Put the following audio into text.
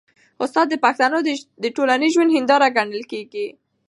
استاد د پښتنو د ټولنیز ژوند هنداره ګڼل کېږي.